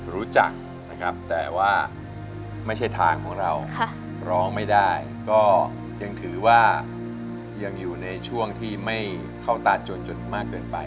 รู้จักนะครับแต่ว่าไม่ใช่ทางของเราร้องไม่ได้ก็ยังถือว่ายังอยู่ในช่วงที่ไม่เข้าตาจนมากเกินไป